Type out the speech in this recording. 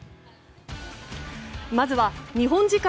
まずは日本時間